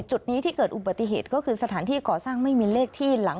จุดนี้ที่เกิดอุบัติเหตุก็คือสถานที่ก่อสร้างไม่มีเลขที่หลัง